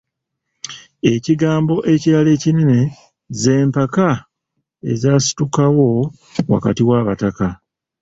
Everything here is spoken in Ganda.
Ekigambo ekirala ekinene ze mpaka ezaasitukawo wakati w'Abataka.